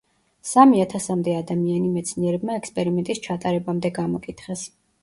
სამი ათასამდე ადამიანი მეცნიერებმა ექსპერიმენტის ჩატარებამდე გამოკითხეს.